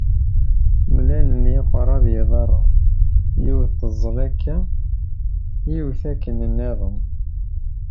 Mlalen yiqerra d yiḍarren yiwet teẓẓel aka, yiwet akken nniḍen.